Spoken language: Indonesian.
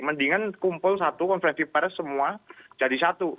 mendingan kumpul satu konferensi pers semua jadi satu